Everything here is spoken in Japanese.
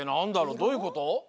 どういうこと？